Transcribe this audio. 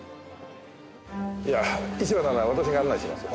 いや市場なら私が案内しますよ。